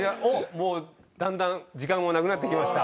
もうだんだん時間もなくなって来ました。